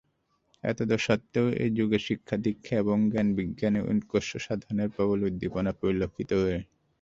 এতদসত্ত্বেও এ যুগে শিক্ষা-দীক্ষা এবং জ্ঞান-বিজ্ঞানে উৎকর্ষ সাধনের প্রবল উদ্দীপনা পরিলক্ষিত হয়।